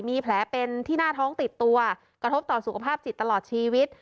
มีแผลเป็นที่หน้าท้องติดตัวกระทบต่อสุขภาพจิตตลอดชีวิต